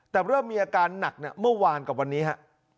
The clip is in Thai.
แต่เริ่มมีอาการหนักเนี่ยเมื่อวานกับวันนี้ฮะ